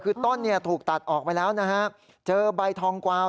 คือต้นถูกตัดออกไปแล้วนะครับเจอใบทองกวาว